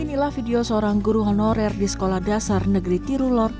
inilah video seorang guru honorer di sekolah dasar negeri tirulor